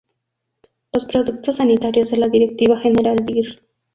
Los productos sanitarios de la directiva general dir.